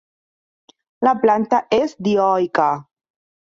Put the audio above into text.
La planta és dioica.